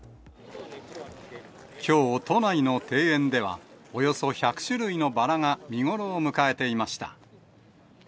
きょう、都内の庭園では、およそ１００種類のバラが見頃を迎えていました。